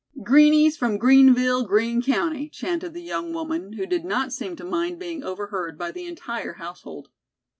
"Greenies from Greenville, Green County," chanted the young woman, who did not seem to mind being overheard by the entire household.